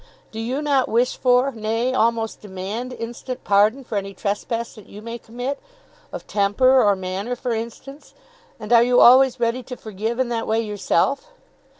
Do you not wish for, nay, almost demand, instant pardon for any trespass that you may commit, of temper, or manner, for instance? and are you always ready to forgive in that way yourself?